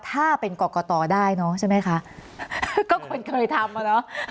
ถ้าเป็นกรกตได้เนอะใช่ไหมคะก็คนเคยทำอ่ะเนอะ